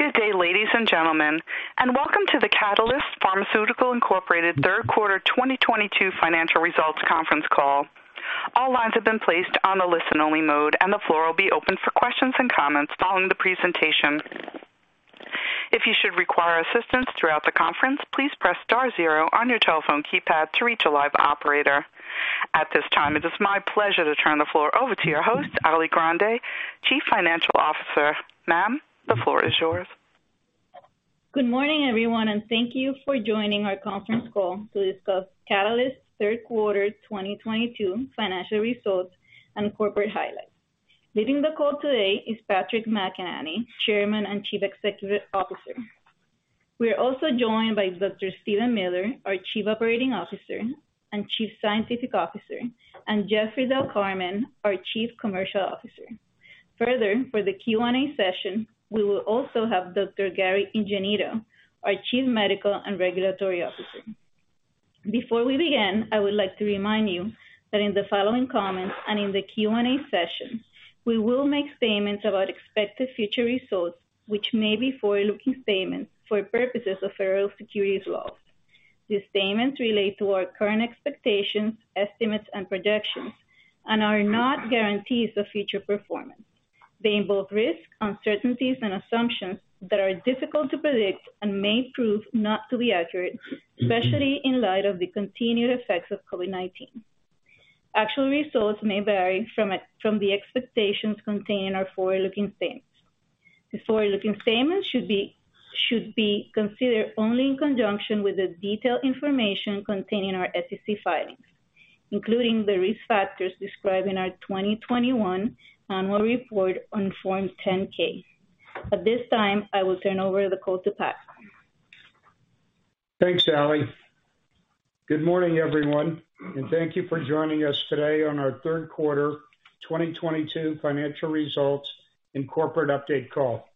Good day, ladies, and gentlemen, and welcome to the Catalyst Pharmaceuticals, Inc Third Quarter 2022 Financial Results Conference Call. All lines have been placed on a listen-only mode, and the floor will be open for questions and comments following the presentation. If you should require assistance throughout the conference, please press star zero on your telephone keypad to reach a live operator. At this time, it is my pleasure to turn the floor over to your host, Alicia Grande, Chief Financial Officer. Ma'am, the floor is yours. Good morning, everyone, and thank you for joining our conference call to discuss Catalyst's Third Quarter 2022 Financial Results and Corporate Highlights. Leading the call today is Patrick McEnany, Chairman and Chief Executive Officer. We are also joined by Dr. Steven Miller, our Chief Operating Officer and Chief Scientific Officer, and Jeffrey Del Carmen, our Chief Commercial Officer. Further, for the Q&A session, we will also have Dr. Gary Ingenito, our Chief Medical and Regulatory Officer. Before we begin, I would like to remind you that in the following comments and in the Q&A session, we will make statements about expected future results, which may be forward-looking statements for purposes of federal securities laws. These statements relate to our current expectations, estimates, and projections and are not guarantees of future performance. They involve risks, uncertainties, and assumptions that are difficult to predict and may prove not to be accurate, especially in light of the continued effects of COVID-19. Actual results may vary from the expectations contained in our forward-looking statements. The forward-looking statements should be considered only in conjunction with the detailed information contained in our SEC filings, including the risk factors described in our 2021 annual report on Form 10-K. At this time, I will turn over the call to Pat. Thanks, Ali. Good morning, everyone, and thank you for joining us today on our third quarter 2022 financial results and corporate update call.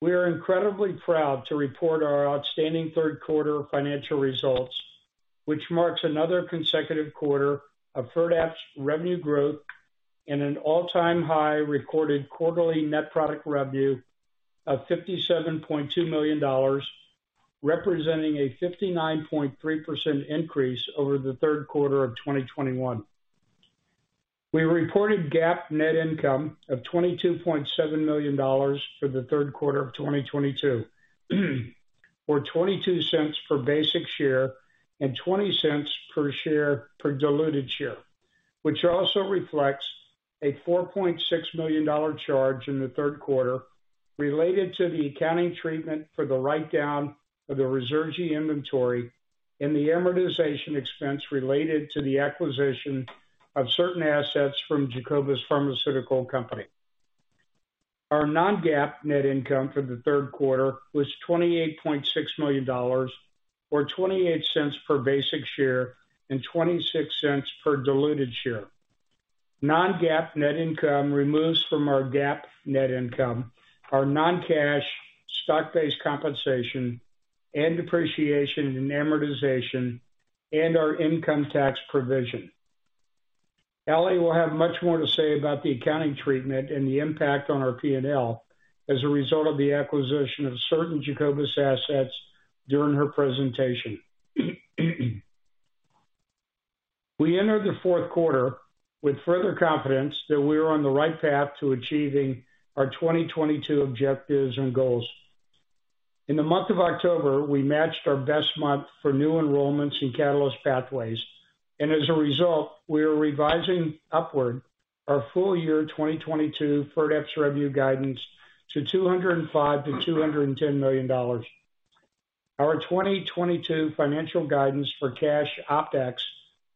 We are incredibly proud to report our outstanding third quarter financial results, which marks another consecutive quarter of FIRDAPSE revenue growth and an all-time high recorded quarterly net product revenue of $57.2 million, representing a 59.3% increase over the third quarter of 2021. We reported GAAP net income of $22.7 million for the third quarter of 2022, or $0.22 per basic share and $0.20 per diluted share, which also reflects a $4.6 million charge in the third quarter related to the accounting treatment for the write-down of the Ruzurgi inventory and the amortization expense related to the acquisition of certain assets from Jacobus Pharmaceutical Company. Our non-GAAP net income for the third quarter was $28.6 million, or $0.28 per basic share and $0.26 per diluted share. Non-GAAP net income removes from our GAAP net income our non-cash stock-based compensation and depreciation and amortization and our income tax provision. Ali will have much more to say about the accounting treatment and the impact on our P&L as a result of the acquisition of certain Jacobus assets during her presentation. We enter the fourth quarter with further confidence that we are on the right path to achieving our 2022 objectives and goals. In the month of October, we matched our best month for new enrollments in Catalyst Pathways. As a result, we are revising upward our full-year 2022 FIRDAPSE's revenue guidance to $205 million-$210 million. Our 2022 financial guidance for cash OpEx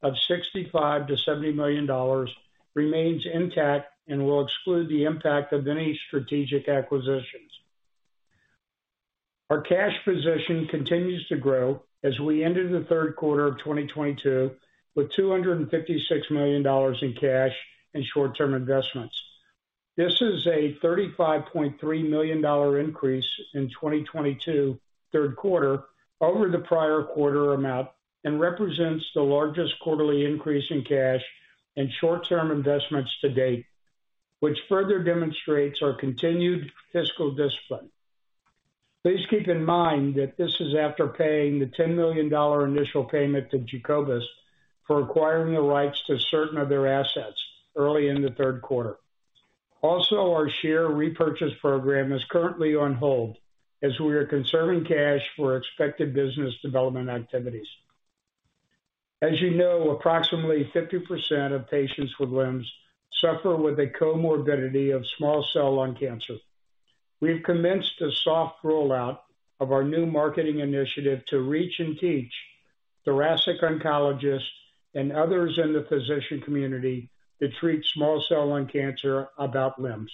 of $65 million-$70 million remains intact and will exclude the impact of any strategic acquisitions. Our cash position continues to grow as we ended the third quarter of 2022 with $256 million in cash and short-term investments. This is a $35.3 million increase in 2022 third quarter over the prior quarter amount and represents the largest quarterly increase in cash and short-term investments to date, which further demonstrates our continued fiscal discipline. Please keep in mind that this is after paying the $10 million initial payment to Jacobus for acquiring the rights to certain of their assets early in the third quarter. Also, our share repurchase program is currently on hold as we are conserving cash for expected business development activities. As you know, approximately 50% of patients with LEMS suffer with a comorbidity of small cell lung cancer. We've commenced a soft rollout of our new marketing initiative to reach and teach thoracic oncologists and others in the physician community that treat small cell lung cancer about LEMS.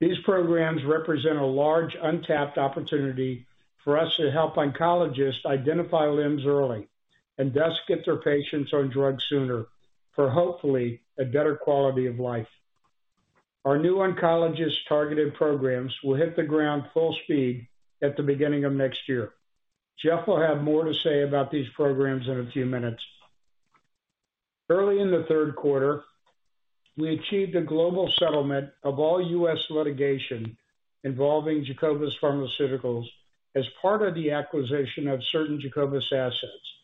These programs represent a large untapped opportunity for us to help oncologists identify LEMS early and thus get their patients on drug sooner for, hopefully, a better quality of life. Our new oncologist-targeted programs will hit the ground full speed at the beginning of next year. Jeff will have more to say about these programs in a few minutes. Early in the third quarter, we achieved a global settlement of all U.S. litigation involving Jacobus Pharmaceuticals as part of the acquisition of certain Jacobus assets.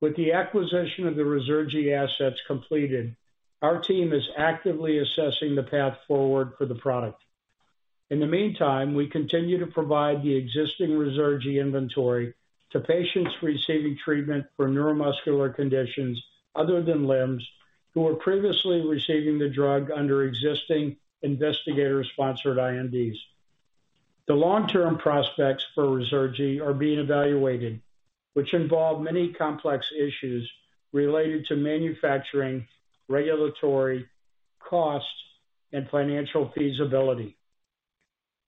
With the acquisition of the Ruzurgi assets completed, our team is actively assessing the path forward for the product. In the meantime, we continue to provide the existing Ruzurgi inventory to patients receiving treatment for neuromuscular conditions other than LEMS, who were previously receiving the drug under existing investigator-sponsored INDs. The long-term prospects for Ruzurgi are being evaluated, which involve many complex issues related to manufacturing, regulatory costs, and financial feasibility.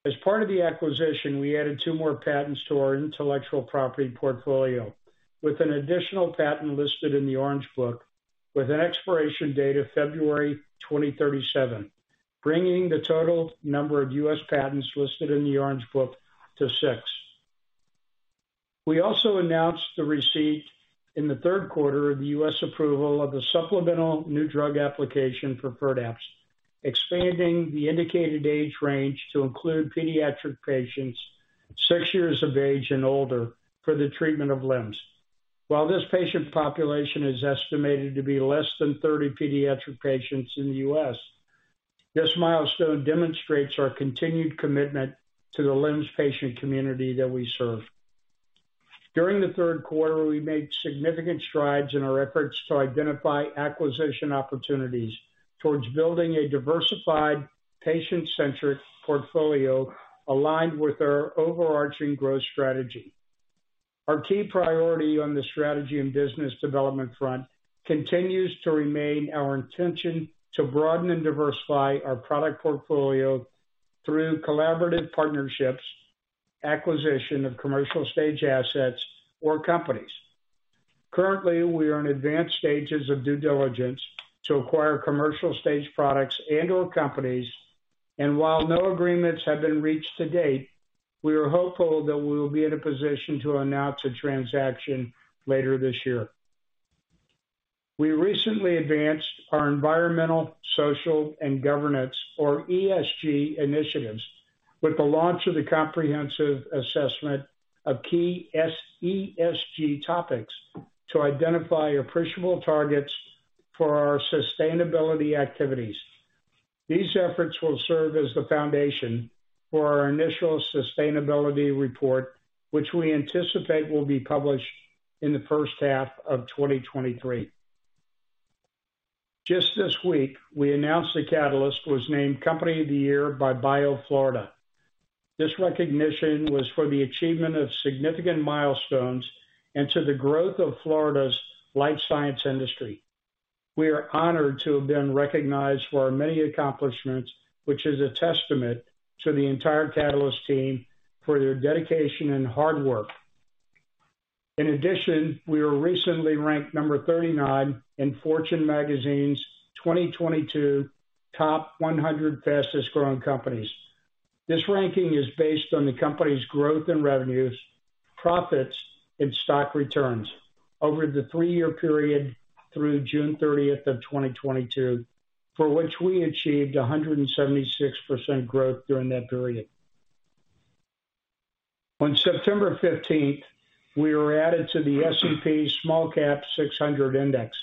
As part of the acquisition, we added two more patents to our intellectual property portfolio with an additional patent listed in the Orange Book with an expiration date of February 2037, bringing the total number of U.S. patents listed in the Orange Book to six. We also announced the receipt in the third quarter of the U.S. approval of the supplemental new drug application for FIRDAPSE, expanding the indicated age range to include pediatric patients six years of age and older for the treatment of LEMS. While this patient population is estimated to be less than 30 pediatric patients in the U.S., this milestone demonstrates our continued commitment to the LEMS patient community that we serve. During the third quarter, we made significant strides in our efforts to identify acquisition opportunities towards building a diversified, patient-centric portfolio aligned with our overarching growth strategy. Our key priority on the strategy and business development front continues to remain our intention to broaden and diversify our product portfolio through collaborative partnerships, acquisition of commercial stage assets or companies. Currently, we are in advanced stages of due diligence to acquire commercial stage products and/or companies. While no agreements have been reached to date, we are hopeful that we will be in a position to announce a transaction later this year. We recently advanced our environmental, social, and governance or ESG initiatives with the launch of the comprehensive assessment of key ESG topics to identify appreciable targets for our sustainability activities. These efforts will serve as the foundation for our initial sustainability report, which we anticipate will be published in the first half of 2023. Just this week, we announced that Catalyst was named Company of the Year by BioFlorida. This recognition was for the achievement of significant milestones and to the growth of Florida's life science industry. We are honored to have been recognized for our many accomplishments, which is a testament to the entire Catalyst team for their dedication and hard work. In addition, we were recently ranked number 39 in Fortune magazine's 2022 top 100 fastest growing companies. This ranking is based on the company's growth and revenues, profits, and stock returns over the three-year period through June 30 of 2022, for which we achieved 176% growth during that period. On September 15, we were added to the S&P SmallCap 600 index.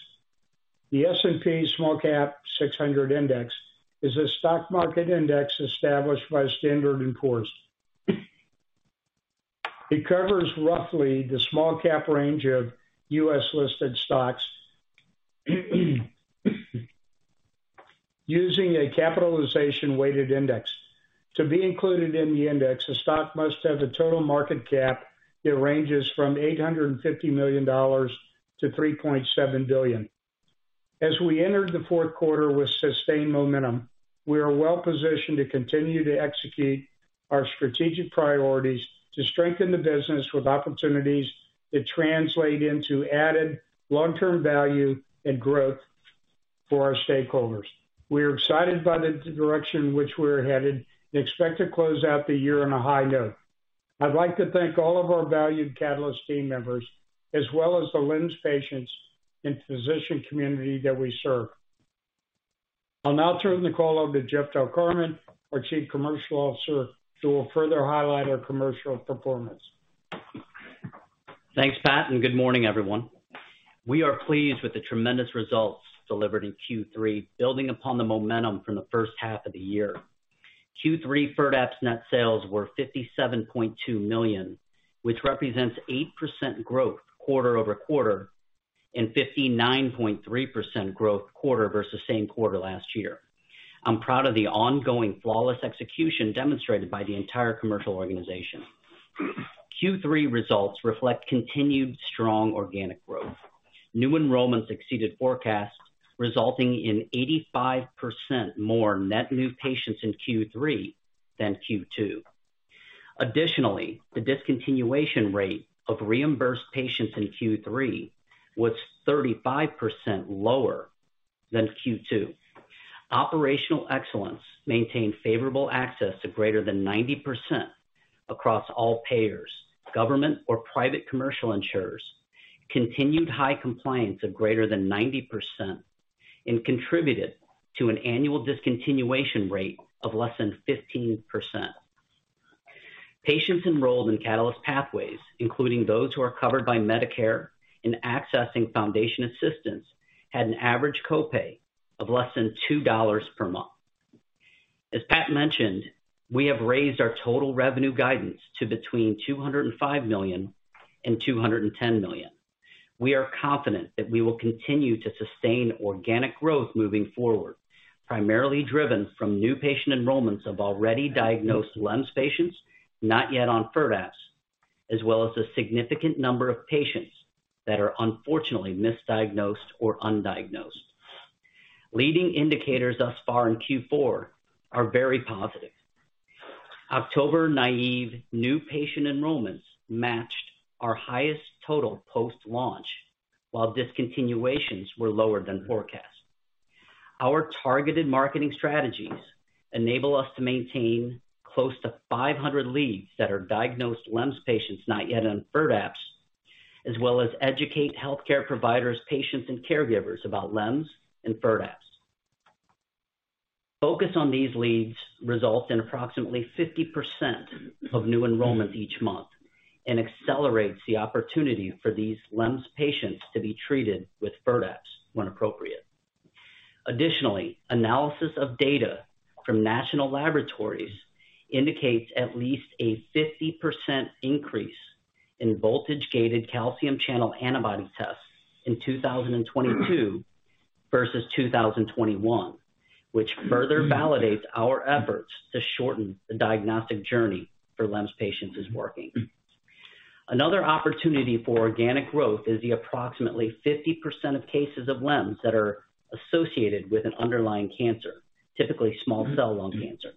The S&P SmallCap 600 index is a stock market index established by Standard & Poor's. It covers roughly the small cap range of U.S.-listed stocks using a capitalization-weighted index. To be included in the index, the stock must have a total market cap that ranges from $850 million-$3.7 billion. As we entered the fourth quarter with sustained momentum, we are well-positioned to continue to execute our strategic priorities to strengthen the business with opportunities that translate into added long-term value and growth for our stakeholders. We are excited by the direction in which we're headed and expect to close out the year on a high note. I'd like to thank all of our valued Catalyst team members, as well as the LEMS patients and physician community that we serve. I'll now turn the call over to Jeff Del Carmen, our Chief Commercial Officer, who will further highlight our commercial performance. Thanks, Pat, and good morning, everyone. We are pleased with the tremendous results delivered in Q3, building upon the momentum from the first half of the year. Q3 FIRDAPSE net sales were $57.2 million, which represents 8% growth quarter-over-quarter and 59.3% growth quarter versus same quarter last year. I'm proud of the ongoing flawless execution demonstrated by the entire commercial organization. Q3 results reflect continued strong organic growth. New enrollments exceeded forecast, resulting in 85% more net new patients in Q3 than Q2. Additionally, the discontinuation rate of reimbursed patients in Q3 was 35% lower than Q2. Operational excellence maintained favorable access to greater than 90% across all payers, government or private commercial insurers. Continued high compliance of greater than 90% and contributed to an annual discontinuation rate of less than 15%. Patients enrolled in Catalyst Pathways, including those who are covered by Medicare in accessing foundation assistance, had an average copay of less than $2 per month. As Pat mentioned, we have raised our total revenue guidance to between $205 million and $210 million. We are confident that we will continue to sustain organic growth moving forward, primarily driven from new patient enrollments of already diagnosed LEMS patients not yet on FIRDAPSE, as well as a significant number of patients that are unfortunately misdiagnosed or undiagnosed. Leading indicators thus far in Q4 are very positive. October naive new patient enrollments matched our highest total post-launch, while discontinuations were lower than forecast. Our targeted marketing strategies enable us to maintain close to 500 leads that are diagnosed LEMS patients not yet on FIRDAPSE, as well as educate healthcare providers, patients, and caregivers about LEMS and FIRDAPSE. Focus on these leads results in approximately 50% of new enrollments each month and accelerates the opportunity for these LEMS patients to be treated with FIRDAPSE when appropriate. Additionally, analysis of data from national laboratories indicates at least a 50% increase in voltage-gated calcium channel antibody tests in 2022 versus 2021, which further validates our efforts to shorten the diagnostic journey for LEMS patients is working. Another opportunity for organic growth is the approximately 50% of cases of LEMS that are associated with an underlying cancer, typically small cell lung cancer.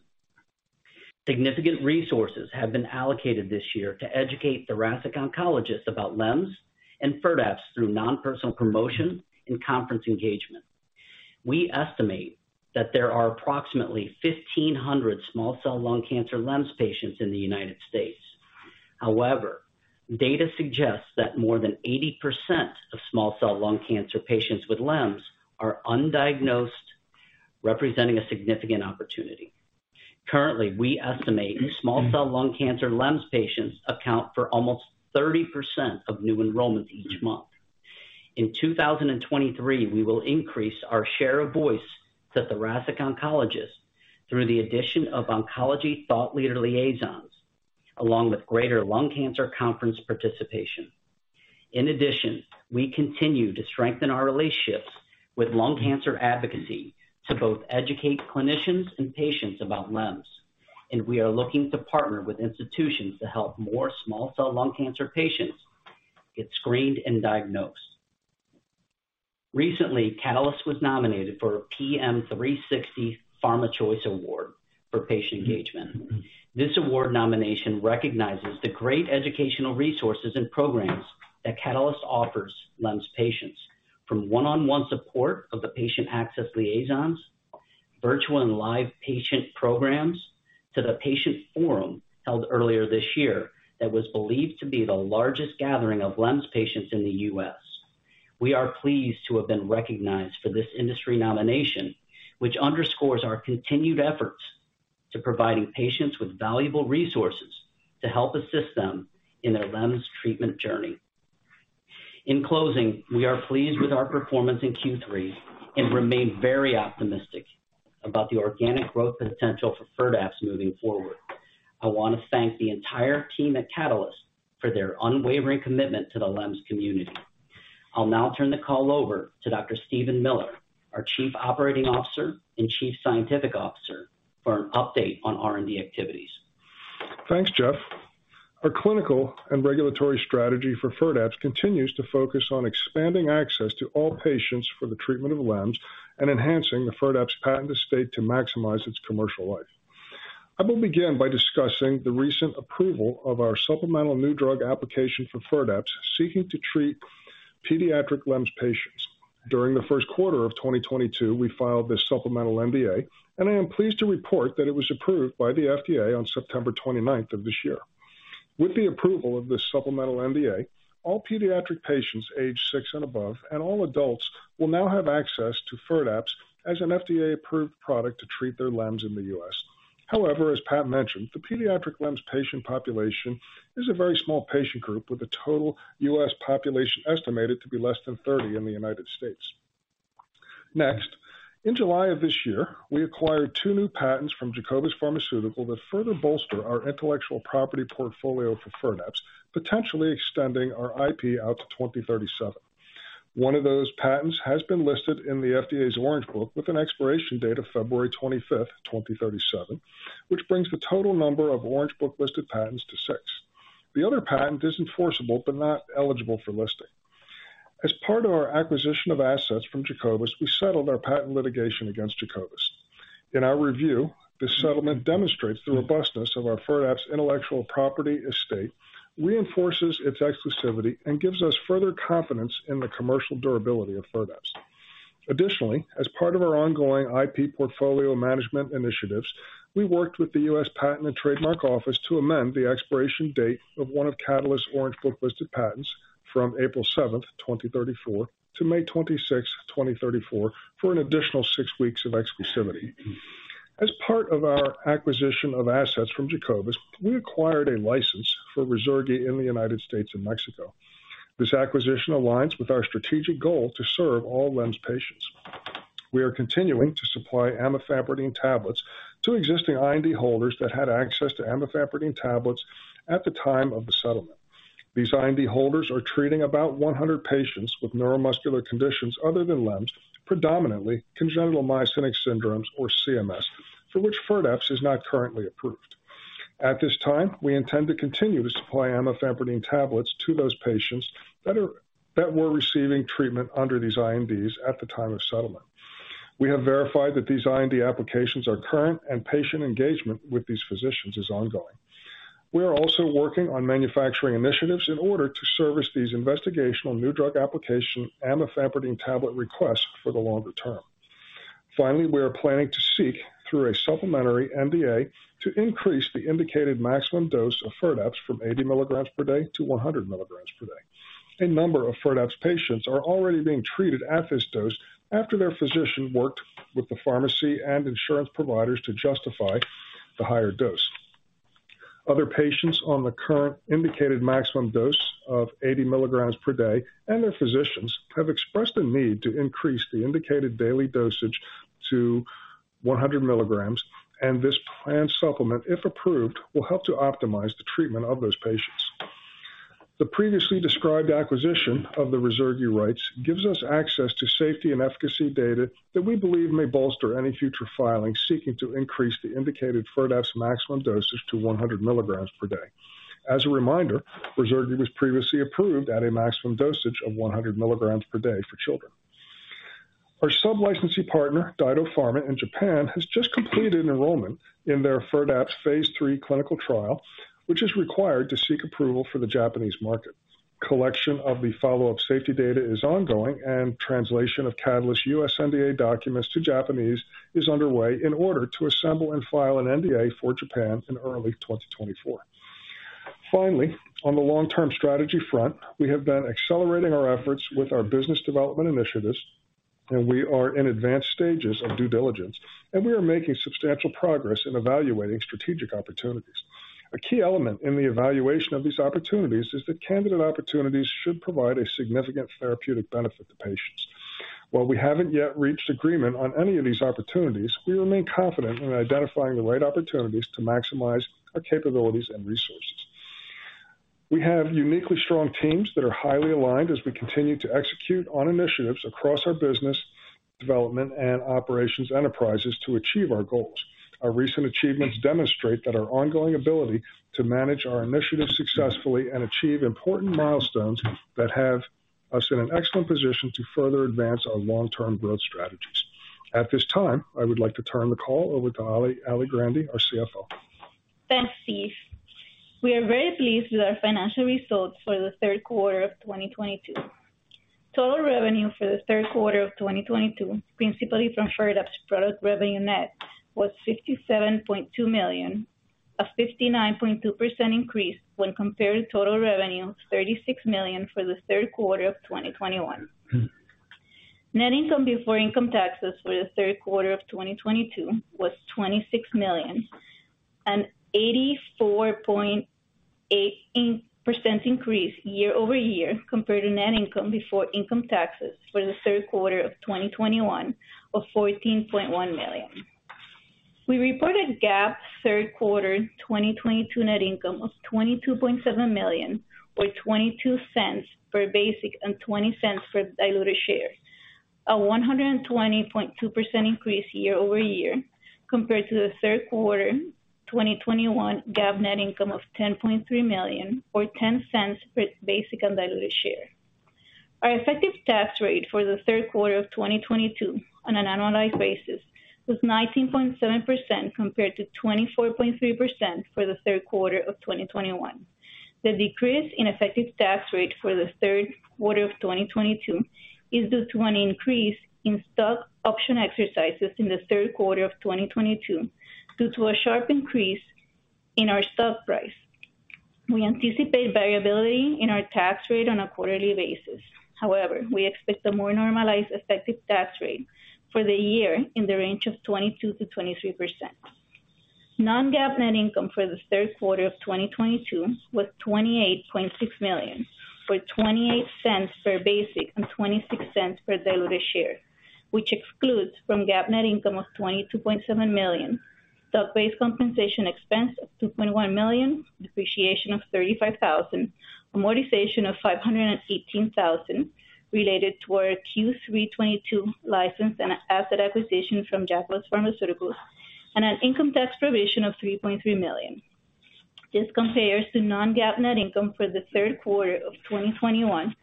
Significant resources have been allocated this year to educate thoracic oncologists about LEMS and FIRDAPSE through non-personal promotion and conference engagement. We estimate that there are approximately 1,500 small cell lung cancer LEMS patients in the United States. However, data suggests that more than 80% of small cell lung cancer patients with LEMS are undiagnosed, representing a significant opportunity. Currently, we estimate small cell lung cancer LEMS patients account for almost 30% of new enrollments each month. In 2023, we will increase our share of voice to thoracic oncologists through the addition of oncology thought leader liaisons, along with greater lung cancer conference participation. In addition, we continue to strengthen our relationships with lung cancer advocacy to both educate clinicians and patients about LEMS, and we are looking to partner with institutions to help more small cell lung cancer patients get screened and diagnosed. Recently, Catalyst was nominated for a PM360 Pharma Choice Award for patient engagement. This award nomination recognizes the great educational resources and programs that Catalyst offers LEMS patients, from one-on-one support of the patient access liaisons, virtual and live patient programs, to the patient forum held earlier this year that was believed to be the largest gathering of LEMS patients in the U.S. We are pleased to have been recognized for this industry nomination, which underscores our continued efforts to providing patients with valuable resources to help assist them in their LEMS treatment journey. In closing, we are pleased with our performance in Q3 and remain very optimistic about the organic growth potential for FIRDAPSE moving forward. I want to thank the entire team at Catalyst for their unwavering commitment to the LEMS community. I'll now turn the call over to Dr. Steven Miller, our Chief Operating Officer and Chief Scientific Officer, for an update on R&D activities. Thanks, Jeff. Our clinical and regulatory strategy for FIRDAPSE continues to focus on expanding access to all patients for the treatment of LEMS and enhancing the FIRDAPSE patent estate to maximize its commercial life. I will begin by discussing the recent approval of our supplemental new drug application for FIRDAPSE, seeking to treat pediatric LEMS patients. During the first quarter of 2022, we filed this supplemental NDA, and I am pleased to report that it was approved by the FDA on September 29th of this year. With the approval of this supplemental NDA, all pediatric patients aged six and above and all adults will now have access to FIRDAPSE as an FDA-approved product to treat their LEMS in the U.S. However, as Pat mentioned, the pediatric LEMS patient population is a very small patient group, with a total U.S. population estimated to be less than 30 in the United States. Next, in July of this year, we acquired two new patents from Jacobus Pharmaceuticals that further bolster our intellectual property portfolio for FIRDAPSE, potentially extending our IP out to 2037. One of those patents has been listed in the FDA's Orange Book with an expiration date of February 25th, 2037, which brings the total number of Orange Book-listed patents to six. The other patent is enforceable, but not eligible for listing. As part of our acquisition of assets from Jacobus, we settled our patent litigation against Jacobus. In our review, this settlement demonstrates the robustness of our FIRDAPSE intellectual property estate, reinforces its exclusivity, and gives us further confidence in the commercial durability of FIRDAPSE. Additionally, as part of our ongoing IP portfolio management initiatives, we worked with the U.S. Patent and Trademark Office to amend the expiration date of one of Catalyst's Orange Book-listed patents from April 7th, 2034 to May 26th, 2034 for an additional six weeks of exclusivity. As part of our acquisition of assets from Jacobus, we acquired a license for Ruzurgi in the U.S. And Mexico. This acquisition aligns with our strategic goal to serve all LEMS patients. We are continuing to supply amifampridine tablets to existing IND holders that had access to amifampridine tablets at the time of the settlement. These IND holders are treating about 100 patients with neuromuscular conditions other than LEMS, predominantly congenital myasthenic syndrome, or CMS, for which FIRDAPSE is not currently approved. At this time, we intend to continue to supply amifampridine tablets to those patients that were receiving treatment under these INDs at the time of settlement. We have verified that these IND applications are current and patient engagement with these physicians is ongoing. We are also working on manufacturing initiatives in order to service these investigational new drug application amifampridine tablet requests for the longer term. Finally, we are planning to seek through a supplementary NDA to increase the indicated maximum dose of FIRDAPSE from 80 mg per day to 100 mg per day. A number of FIRDAPSE patients are already being treated at this dose after their physician worked with the pharmacy and insurance providers to justify the higher dose. Other patients on the current indicated maximum dose of 80 mg per day, and their physicians have expressed a need to increase the indicated daily dosage to 100 mg, and this planned supplement, if approved, will help to optimize the treatment of those patients. The previously described acquisition of the Ruzurgi rights gives us access to safety and efficacy data that we believe may bolster any future filings seeking to increase the indicated FIRDAPSE maximum dosage to 100 mg per day. As a reminder, Ruzurgi was previously approved at a maximum dosage of 100 mg per day for children. Our sub-licensee partner, DyDo Pharma in Japan, has just completed an enrollment in their FIRDAPSE phase III clinical trial, which is required to seek approval for the Japanese market. Collection of the follow-up safety data is ongoing and translation of Catalyst U.S. NDA documents to Japanese is underway in order to assemble and file an NDA for Japan in early 2024. Finally, on the long-term strategy front, we have been accelerating our efforts with our business development initiatives, and we are in advanced stages of due diligence, and we are making substantial progress in evaluating strategic opportunities. A key element in the evaluation of these opportunities is that candidate opportunities should provide a significant therapeutic benefit to patients. While we haven't yet reached agreement on any of these opportunities, we remain confident in identifying the right opportunities to maximize our capabilities and resources. We have uniquely strong teams that are highly aligned as we continue to execute on initiatives across our business development and operations enterprises to achieve our goals. Our recent achievements demonstrate that our ongoing ability to manage our initiatives successfully and achieve important milestones that have us in an excellent position to further advance our long-term growth strategies. At this time, I would like to turn the call over to Ali Grande, our CFO. Thanks, Steve. We are very pleased with our financial results for the third quarter of 2022. Total revenue for the third quarter of 2022, principally from FIRDAPSE product revenue net, was $57.2 million, a 59.2% increase when compared to total revenue, $36 million for the third quarter of 2021. Net income before income taxes for the third quarter of 2022 was $26 million, an 84.8% increase year-over-year compared to net income before income taxes for the third quarter of 2021 of $14.1 million. We reported GAAP third quarter 2022 net income of $22.7 million, or $0.22 for basic and $0.20 for diluted shares. A 120.2% increase year-over-year compared to the third quarter 2021 GAAP net income of $10.3 million, or $0.10 per basic and diluted share. Our effective tax rate for the third quarter of 2022 on an annualized basis was 19.7% compared to 24.3% for the third quarter of 2021. The decrease in effective tax rate for the third quarter of 2022 is due to an increase in stock option exercises in the third quarter of 2022 due to a sharp increase in our stock price. We anticipate variability in our tax rate on a quarterly basis. However, we expect a more normalized effective tax rate for the year in the range of 22%-23%. Non-GAAP net income for the third quarter of 2022 was $28.6 million, or $0.28 per basic and $0.26 per diluted share, which excludes from GAAP net income of $22.7 million, stock-based compensation expense of $2.1 million, depreciation of $35,000, amortization of $518,000 related to our Q3 2022 license and asset acquisition from Jacobus Pharmaceuticals, and an income tax provision of $3.3 million. This compares to non-GAAP net income for the third quarter of 2021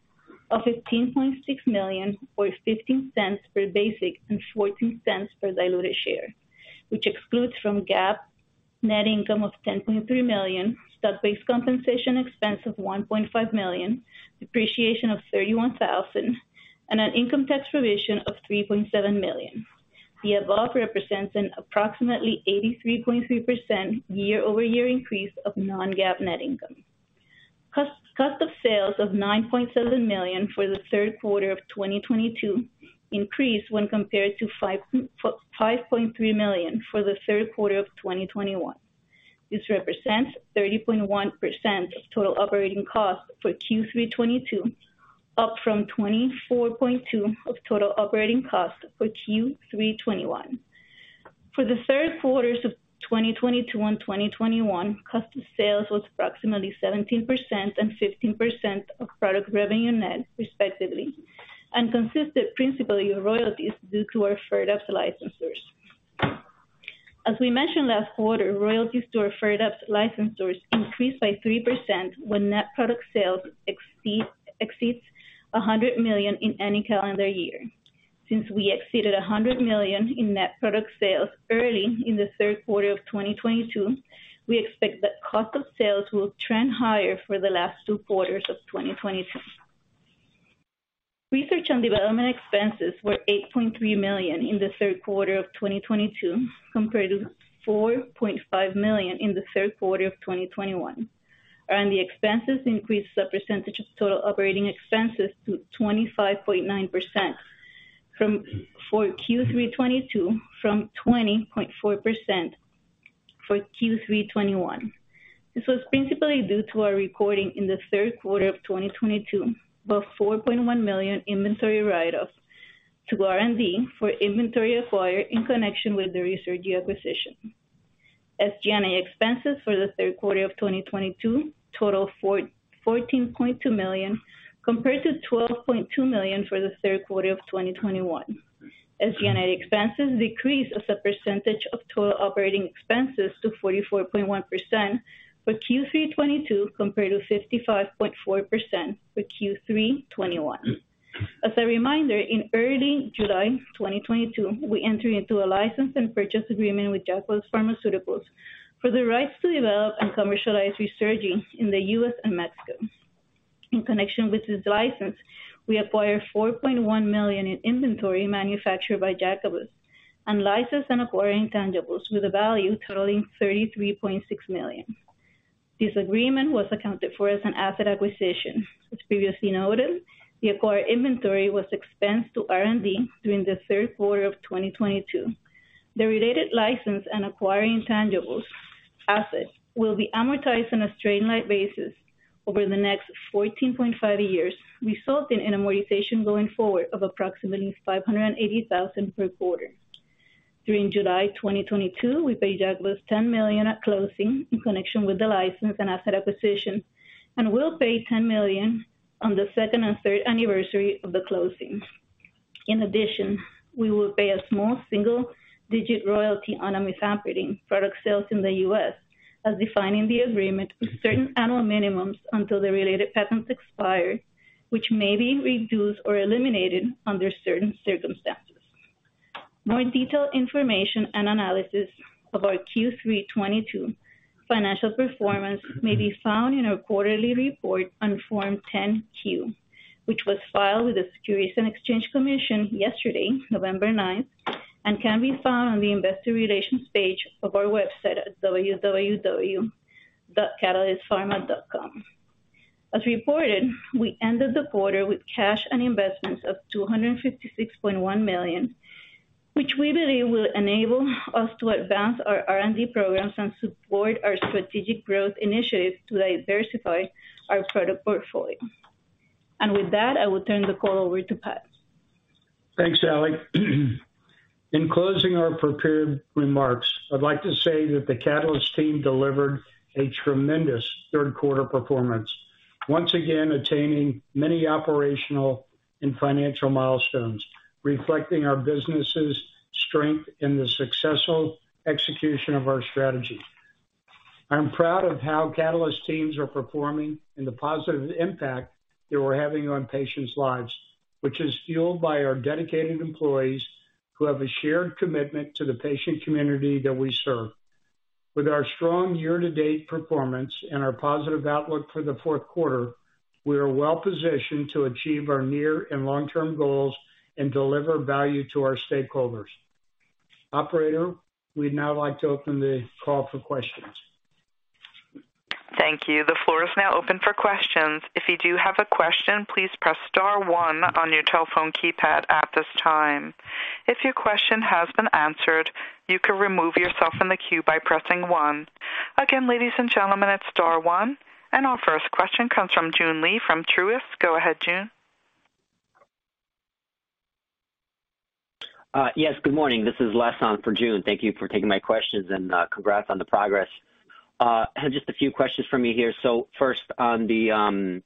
of $15.6 million or $0.15 per basic and $0.14 per diluted share, which excludes from GAAP net income of $10.3 million, stock-based compensation expense of $1.5 million, depreciation of $31,000, and an income tax provision of $3.7 million. The above represents an approximately 83.3% year-over-year increase of non-GAAP net income. Cost of sales of $9.7 million for the third quarter of 2022 increased when compared to $5.3 million for the third quarter of 2021. This represents 30.1% of total operating costs for Q3 2022, up from 24.2% of total operating costs for Q3 2021. For the third quarters of 2022 and 2021, cost of sales was approximately 17% and 15% of net product revenue, respectively, and consisted principally of royalties due to our product licensors. As we mentioned last quarter, royalties to our product licensors increase by 3% when net product sales exceeds $100 million in any calendar year. Since we exceeded 100 million in net product sales early in the third quarter of 2022, we expect that cost of sales will trend higher for the last two quarters of 2022. Research and development expenses were $8.3 million in the third quarter of 2022, compared to $4.5 million in the third quarter of 2021. R&D expenses increased as a percentage of total operating expenses to 25.9% from 20.4% for Q3 2021. This was principally due to our recording in the third quarter of 2022 about $4.1 million inventory write-off to R&D for inventory acquired in connection with the Ruzurgi acquisition. SG&A expenses for the third quarter of 2022 total $14.2 million compared to $12.2 million for the third quarter of 2021. SG&A expenses decreased as a percentage of total operating expenses to 44.1% for Q3 2022 compared to 55.4% for Q3 2021. As a reminder, in early July 2022, we entered into a license and purchase agreement with Jacobus Pharmaceuticals for the rights to develop and commercialize Ruzurgi in the U.S. and Mexico. In connection with this license, we acquired $4.1 million in inventory manufactured by Jacobus and licensed and acquired intangibles with a value totaling $33.6 million. This agreement was accounted for as an asset acquisition. As previously noted, the acquired inventory was expensed to R&D during the third quarter of 2022. The related license and acquired intangibles assets will be amortized on a straight-line basis over the next 14.5 years, resulting in amortization going forward of approximately $580,000 per quarter. During July 2022, we paid Jacobus $10 million at closing in connection with the license and asset acquisition and will pay $10 million on the second and third anniversary of the closing. In addition, we will pay a small single-digit royalty on amifampridine product sales in the U.S. as defined in the agreement with certain annual minimums until the related patents expire, which may be reduced or eliminated under certain circumstances. More detailed information and analysis of our Q3 2022 financial performance may be found in our quarterly report on Form 10-Q, which was filed with the Securities and Exchange Commission yesterday, November 9th, and can be found on the Investor Relations page of our website at www.catalystpharma.com. As reported, we ended the quarter with cash and investments of $256.1 million, which we believe will enable us to advance our R&D programs and support our strategic growth initiatives to diversify our product portfolio. With that, I will turn the call over to Pat. Thanks, Ali. In closing our prepared remarks, I'd like to say that the Catalyst team delivered a tremendous third quarter performance, once again attaining many operational and financial milestones, reflecting our business's strength in the successful execution of our strategy. I'm proud of how Catalyst teams are performing and the positive impact that we're having on patients' lives, which is fueled by our dedicated employees who have a shared commitment to the patient community that we serve. With our strong year-to-date performance and our positive outlook for the fourth quarter, we are well positioned to achieve our near and long-term goals and deliver value to our stakeholders. Operator, we'd now like to open the call for questions. Thank you. The floor is now open for questions. If you do have a question, please press star one on your telephone keypad at this time. If your question has been answered, you can remove yourself from the queue by pressing one. Again, ladies and gentlemen, it's star one. Our first question comes from Joon Lee from Truist. Go ahead, Joon. Yes, good morning. This is Les on for Joon. Thank you for taking my questions, and congrats on the progress. I have just a few questions for me here. First on the,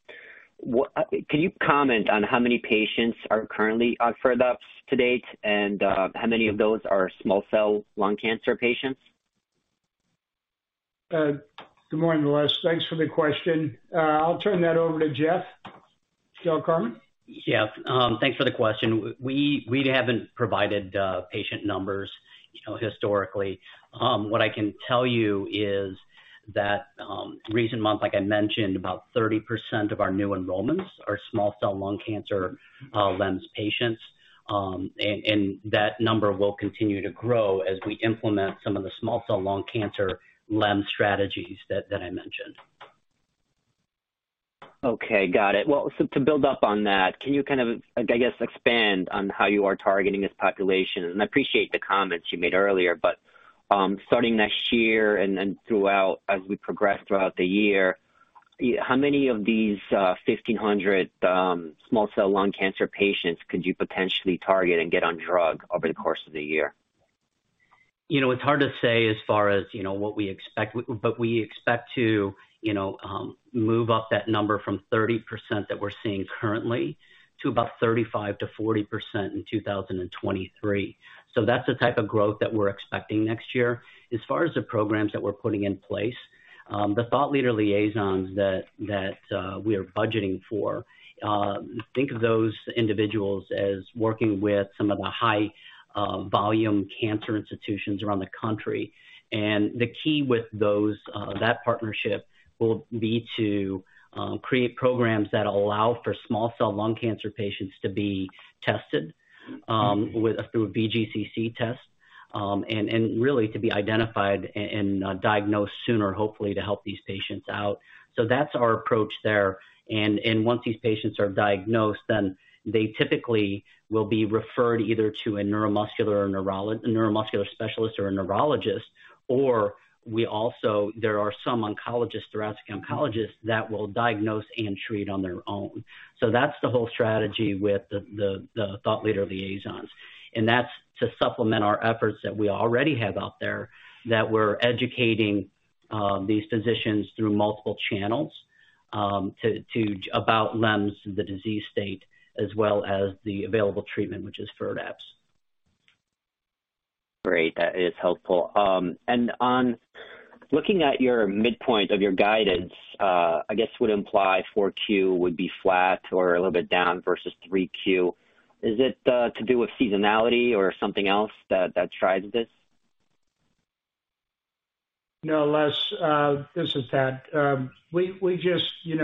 Can you comment on how many patients are currently on FIRDAPSE to date, and how many of those are small cell lung cancer patients? Good morning, Les. Thanks for the question. I'll turn that over to Jeff Del Carmen. Yeah. Thanks for the question. We haven't provided patient numbers, you know, historically. What I can tell you is that recent month, like I mentioned, about 30% of our new enrollments are small cell lung cancer LEMS patients. That number will continue to grow as we implement some of the small cell lung cancer LEMS strategies that I mentioned. Okay. Got it. Well, so to build up on that, can you kind of, I guess, expand on how you are targeting this population? I appreciate the comments you made earlier, but starting next year and throughout as we progress throughout the year, how many of these 1,500 small cell lung cancer patients could you potentially target and get on drug over the course of the year? You know, it's hard to say as far as, you know, what we expect, but we expect to, you know, move up that number from 30% that we're seeing currently to about 35%-40% in 2023. That's the type of growth that we're expecting next year. As far as the programs that we're putting in place, the thought leader liaisons that we are budgeting for, think of those individuals as working with some of the high volume cancer institutions around the country. The key with those partnerships will be to create programs that allow for small cell lung cancer patients to be tested through a VGCC test and really to be identified and diagnosed sooner, hopefully to help these patients out. That's our approach there. Once these patients are diagnosed, they typically will be referred either to a neuromuscular specialist or a neurologist, or there are also some oncologists, thoracic oncologists that will diagnose and treat on their own. That's the whole strategy with the thought leader liaisons. That's to supplement our efforts that we already have out there, that we're educating these physicians through multiple channels to about LEMS, the disease state, as well as the available treatment, which is FIRDAPSE. Great. That is helpful. On looking at your midpoint of your guidance, I guess would imply 4Q would be flat or a little bit down versus 3Q. Is it to do with seasonality or something else that drives this? No, Les. This is Pat. We just, you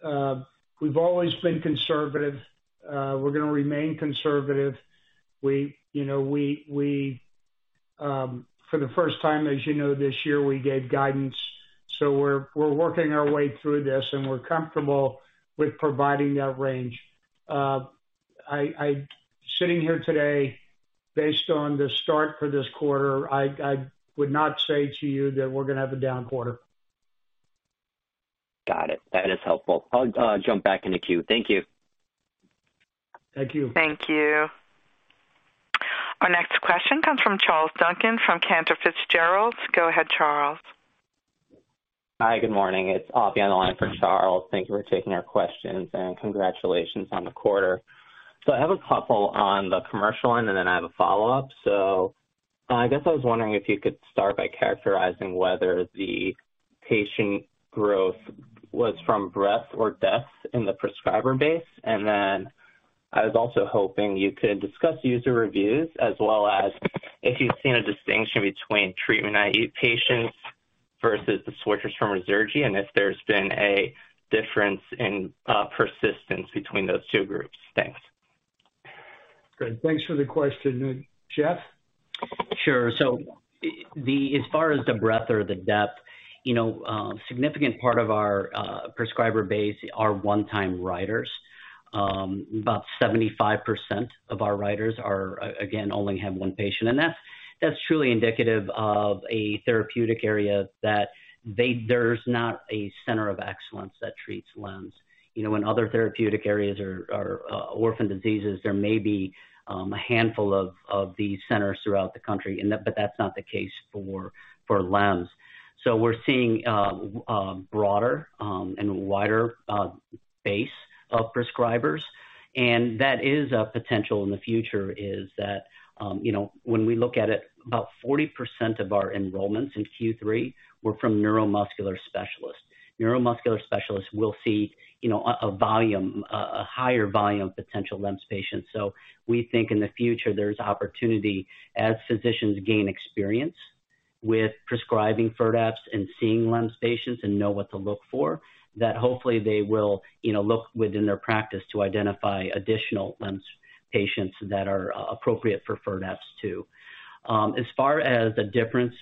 know, we've always been conservative. We're gonna remain conservative. We, you know, for the first time, as you know, this year, we gave guidance. We're working our way through this, and we're comfortable with providing that range. Sitting here today based on the start for this quarter, I would not say to you that we're gonna have a down quarter. Got it. That is helpful. I'll jump back in the queue. Thank you. Thank you. Thank you. Our next question comes from Charles Duncan from Cantor Fitzgerald. Go ahead, Charles. Hi. Good morning. It's [inaudible] on for Charles. Thank you for taking our questions, and congratulations on the quarter. I have a couple on the commercial end, and then I have a follow-up. I guess I was wondering if you could start by characterizing whether the patient growth was from breadth or depth in the prescriber base. Then I was also hoping you could discuss user reviews as well as if you've seen a distinction between treatment naive patients versus the switchers from Ruzurgi, and if there's been a difference in persistence between those two groups. Thanks. Good. Thanks for the question. Jeff? Sure. As far as the breadth or the depth, you know, significant part of our prescriber base are one-time writers. About 75% of our writers are, again, only have one patient. That's truly indicative of a therapeutic area that there's not a center of excellence that treats LEMS. You know, when other therapeutic areas or orphan diseases, there may be a handful of these centers throughout the country. But that's not the case for LEMS. We're seeing broader and wider base of prescribers. That is a potential in the future, you know, when we look at it, about 40% of our enrollments in Q3 were from neuromuscular specialists. Neuromuscular specialists will see, you know, a higher volume of potential LEMS patients. We think in the future there's opportunity as physicians gain experience with prescribing FIRDAPSE and seeing LEMS patients and know what to look for, that hopefully they will, you know, look within their practice to identify additional LEMS patients that are appropriate for FIRDAPSE, too. As far as the difference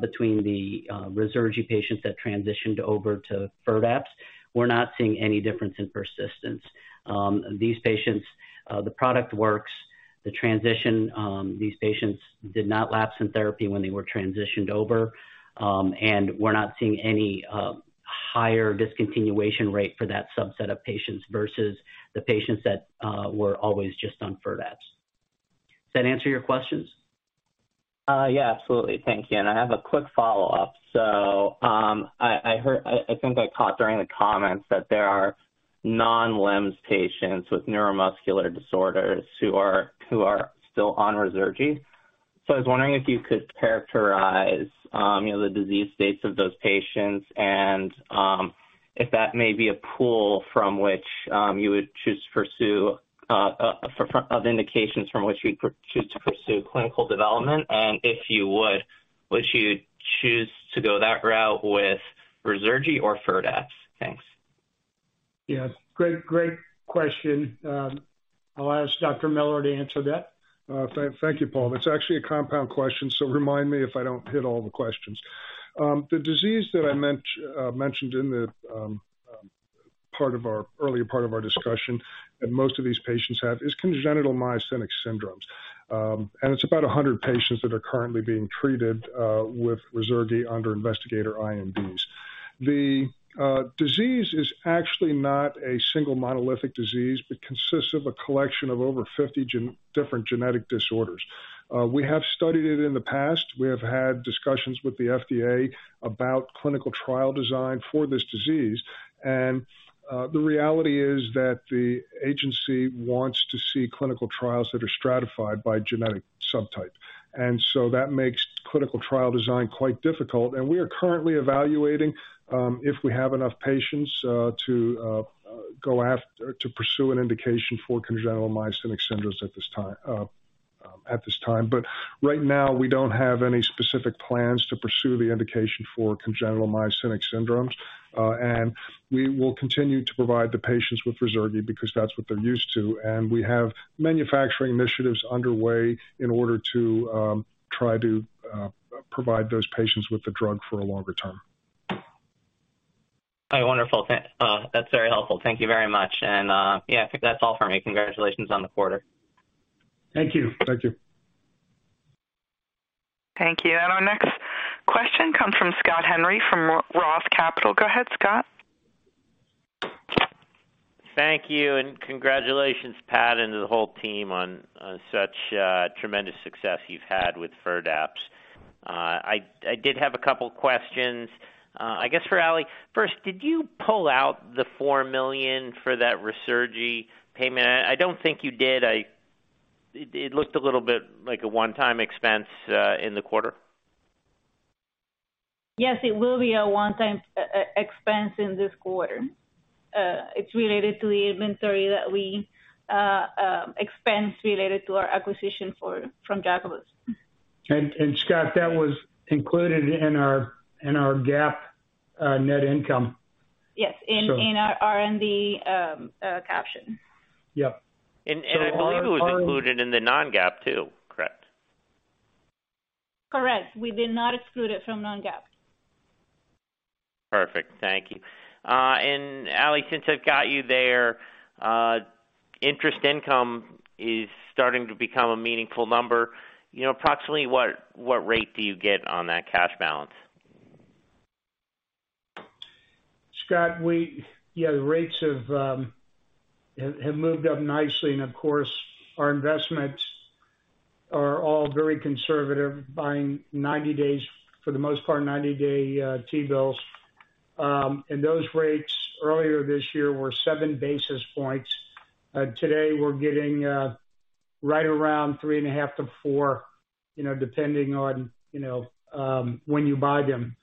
between the Ruzurgi patients that transitioned over to FIRDAPSE, we're not seeing any difference in persistence. These patients did not lapse in therapy when they were transitioned over. We're not seeing any higher discontinuation rate for that subset of patients versus the patients that were always just on FIRDAPSE. Does that answer your questions? Yeah, absolutely. Thank you. I have a quick follow-up. I think I caught during the comments that there are non-LEMS patients with neuromuscular disorders who are still on Ruzurgi. I was wondering if you could characterize, you know, the disease states of those patients and if that may be a pool from which you would choose to pursue additional indications from which we choose to pursue clinical development. Would you choose to go that route with Ruzurgi or FIRDAPSE? Thanks. Yes. Great question. I'll ask Dr. Miller to answer that. Thank you, [Paul]. That's actually a compound question, so remind me if I don't hit all the questions. The disease that I mentioned in the earlier part of our discussion that most of these patients have is congenital myasthenic syndromes. It's about 100 patients that are currently being treated with Ruzurgi under Investigator INDs. The disease is actually not a single monolithic disease, but consists of a collection of over 50 different genetic disorders. We have studied it in the past. We have had discussions with the FDA about clinical trial design for this disease. The reality is that the agency wants to see clinical trials that are stratified by genetic subtype. That makes clinical trial design quite difficult. We are currently evaluating if we have enough patients to pursue an indication for congenital myasthenic syndromes at this time. Right now, we don't have any specific plans to pursue the indication for congenital myasthenic syndromes. We will continue to provide the patients with Ruzurgi because that's what they're used to, and we have manufacturing initiatives underway in order to try to provide those patients with the drug for a longer term. Oh, wonderful. That's very helpful. Thank you very much. Yeah, I think that's all for me. Congratulations on the quarter. Thank you. Thank you. Thank you. Our next question comes from Scott Henry from Roth Capital Partners. Go ahead, Scott. Thank you, and congratulations, Pat, and to the whole team on such tremendous success you've had with FIRDAPSE. I did have a couple questions. I guess for Ali. First, did you pull out the $4 million for that Ruzurgi payment? I don't think you did. It looked a little bit like a one-time expense in the quarter. Yes, it will be a one-time expense in this quarter. It's related to the inventory that we expensed related to our acquisition from Jacobus. Scott, that was included in our GAAP net income. Yes. So- In our R&D section. Yeah. I believe it was included in the non-GAAP too, correct? Correct. We did not exclude it from non-GAAP. Perfect. Thank you. Ali, since I've got you there, interest income is starting to become a meaningful number. You know, approximately what rate do you get on that cash balance? Scott, yeah, the rates have moved up nicely. Of course, our investments are all very conservative, buying 90-day T-bills for the most part. Those rates earlier this year were 7 basis points. Today we're getting right around 3.5%-4%, you know, depending on, you know, when you buy them.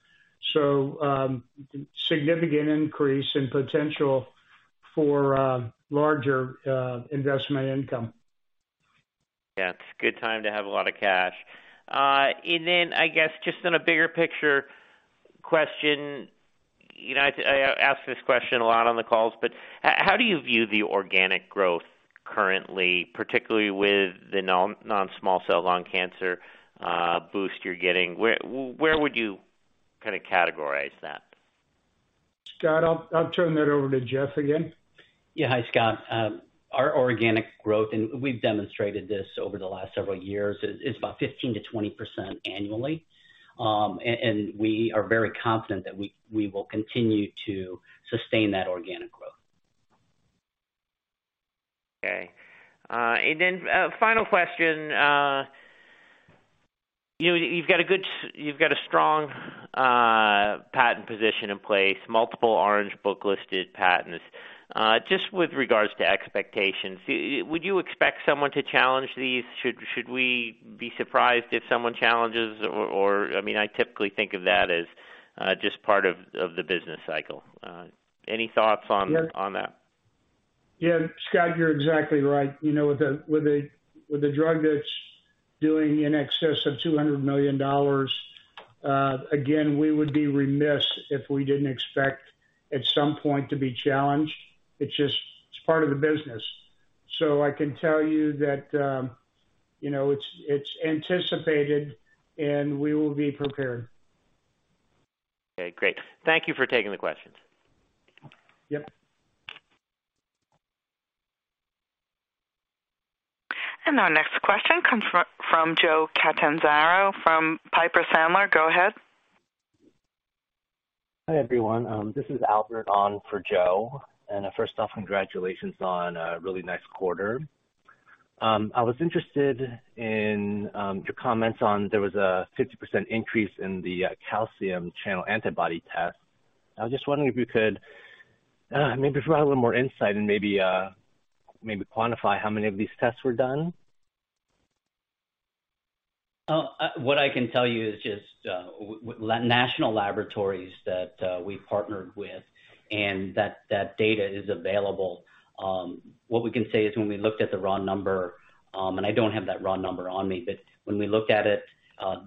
Significant increase in potential for larger investment income. Yeah, it's a good time to have a lot of cash. I guess just on a bigger picture question, you know, I ask this question a lot on the calls, but how do you view the organic growth currently, particularly with the non-small cell lung cancer boost you're getting? Where would you kinda categorize that? Scott, I'll turn that over to Jeff again. Yeah. Hi, Scott. Our organic growth, and we've demonstrated this over the last several years, is about 15%-20% annually. We are very confident that we will continue to sustain that organic growth. Okay. Final question. You know, you've got a strong patent position in place, multiple Orange Book-listed patents. Just with regards to expectations, would you expect someone to challenge these? Should we be surprised if someone challenges or, I mean, I typically think of that as just part of the business cycle. Any thoughts on? Yes. On that? Yeah, Scott, you're exactly right. You know, with a drug that's doing in excess of $200 million, again, we would be remiss if we didn't expect at some point to be challenged. It's just, it's part of the business. I can tell you that, you know, it's anticipated, and we will be prepared. Okay, great. Thank you for taking the questions. Yep. Our next question comes from Joe Catanzaro from Piper Sandler. Go ahead. Hi, everyone. This is Albert on for Joe. First off, congratulations on a really nice quarter. I was interested in your comments on there was a 50% increase in the calcium channel antibody test. I was just wondering if you could maybe provide a little more insight and maybe quantify how many of these tests were done. What I can tell you is just national laboratories that we partnered with and that data is available. What we can say is when we looked at the raw number, and I don't have that raw number on me, but when we looked at it,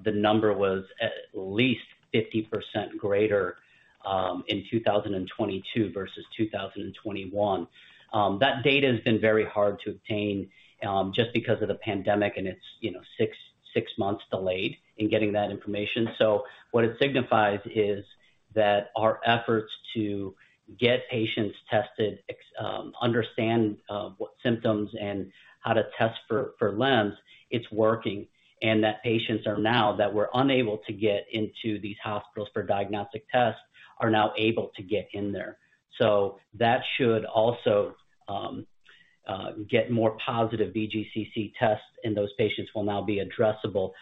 the number was at least 50% greater in 2022 versus 2021. That data has been very hard to obtain just because of the pandemic, and it's, you know, six months delayed in getting that information. What it signifies is that our efforts to get patients tested, understand what symptoms and how to test for LEMS, it's working, and that patients that were unable to get into these hospitals for diagnostic tests are now able to get in there. That should also get more positive VGCC tests, and those patients will now be addressable,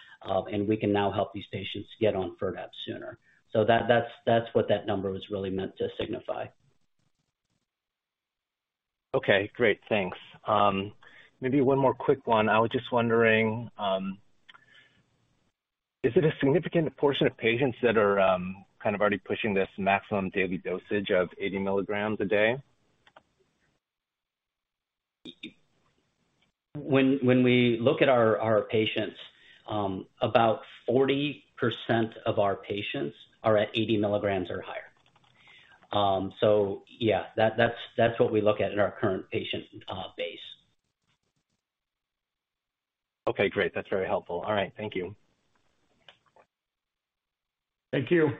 and we can now help these patients get on FIRDAPSE sooner. That's what that number was really meant to signify. Okay, great. Thanks. Maybe one more quick one. I was just wondering, is it a significant portion of patients that are, kind of already pushing this maximum daily dosage of 80 mg a day? When we look at our patients, about 40% of our patients are at 80 mg or higher. Yeah, that's what we look at in our current patient base. Okay, great. That's very helpful. All right, thank you. Thank you.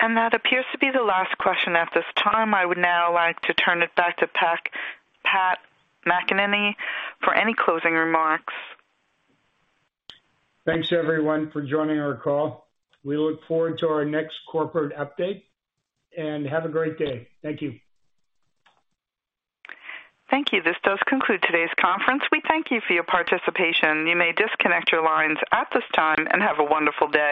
That appears to be the last question at this time. I would now like to turn it back to Pat McEnany for any closing remarks. Thanks, everyone, for joining our call. We look forward to our next corporate update, and have a great day. Thank you. Thank you. This does conclude today's conference. We thank you for your participation. You may disconnect your lines at this time, and have a wonderful day.